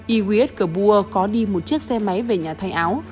i w s kabur có đi một chiếc xe máy về nhà thay áo